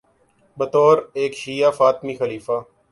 بطور ایک شیعہ فاطمی خلیفہ